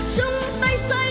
chung tay xây đời